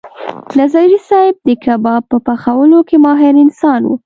نظري صیب د کباب په پخولو کې ماهر انسان و.